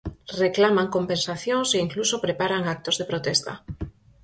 Reclaman compensacións e incluso preparan actos de protesta.